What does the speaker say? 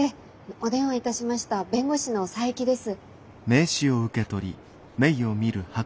お電話いたしました弁護士の佐伯です。